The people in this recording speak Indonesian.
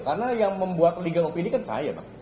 karena yang membuat legal op ini kan saya bang